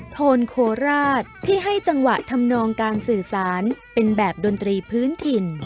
โทนโคราชที่ให้จังหวะทำนองการสื่อสารเป็นแบบดนตรีพื้นถิ่น